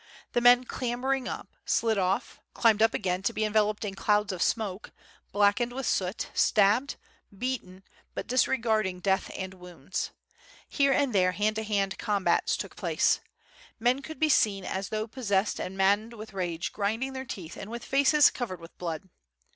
The men clambering up, slid off, climbed up again to be enveloped in clouds of smoke, blackened with soot, stabbed, beaten, but disregarding death and wounds. Here and there hand to hand combats took place. Men could be seen as though possessed and maddened with rage grinding their teeth and with faces covered with blood.